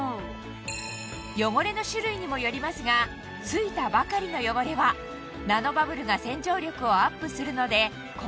汚れの種類にもよりますが付いたばかりの汚れはナノバブルが洗浄力をアップするのでここまで落とすことができました